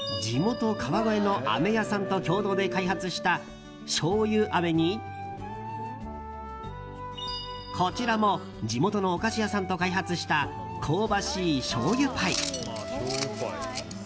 地元・川越のあめ屋さんと共同で開発した醤油飴にこちらも地元のお菓子屋さんと開発した香ばしい醤油パイ。